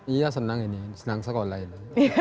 iya senang ini senang sekolah ini